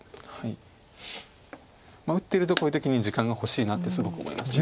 打ってるとこういう時に時間が欲しいなってすごく思います。